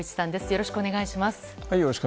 よろしくお願いします。